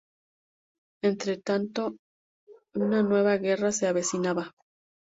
Entretanto, una nueva guerra se avecinaba.